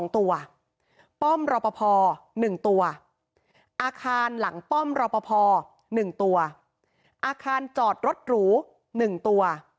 ตัวป้อมรอปภ๑ตัวอาคารหลังป้อมรอปภ๑ตัวอาคารจอดรถหรู๑ตัว